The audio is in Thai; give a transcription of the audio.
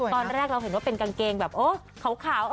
ตอนแรกเราเห็นว่าเป็นกางเกงแบบโอ้ขาว